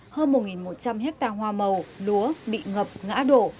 hơn một một trăm linh hectare hoa màu lúa bị ngập ngã đổ